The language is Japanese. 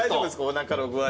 おなかの具合。